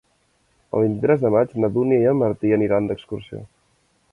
El vint-i-tres de maig na Dúnia i en Martí aniran d'excursió.